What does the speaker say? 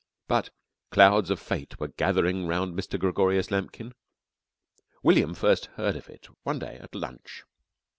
But clouds of Fate were gathering round Mr. Gregorius Lambkin. William first heard of it one day at lunch.